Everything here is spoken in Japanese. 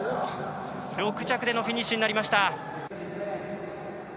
６着でのフィニッシュになりました。